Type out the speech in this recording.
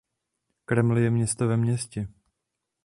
Kreml je město ve městě.